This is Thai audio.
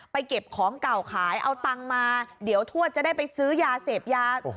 เก็บของเก่าขายเอาตังค์มาเดี๋ยวทวดจะได้ไปซื้อยาเสพยา